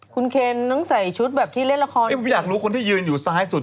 คุณเคนต้องใส่ชุดแบบที่เล่นละครผมอยากรู้คนที่ยืนอยู่ซ้ายสุด